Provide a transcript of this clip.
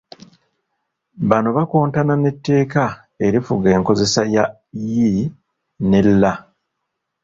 Bano bakontana n’etteeka erifuga enkozesa ya ‘l’ ne ‘r’